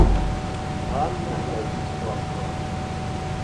Ганна глядзіць у акно.